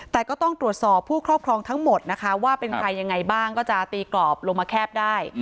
แต่ก็ต้องตรวจสอบผู้ครอบครองทั้งหมดนะคะว่าเป็นใครยังไงบ้างก็จะตีกรอบลงมาแคบได้